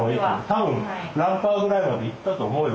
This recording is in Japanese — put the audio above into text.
多分ランカーぐらいまで行ったと思うよ。